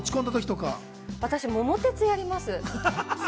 私、『桃鉄』やります。